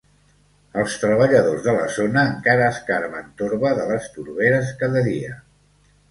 Els treballadors de la zona encara escarben torba de les torberes cada dia.